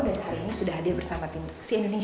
dan hari ini sudah hadir bersama timpuk si indonesia